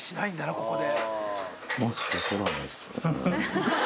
ここで。